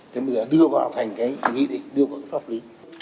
thế bây giờ đưa vào thành cái nghị định đưa vào cái pháp lý